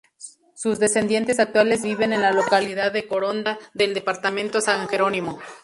Sus descendientes actuales viven en la localidad de Coronda del departamento San Jerónimo.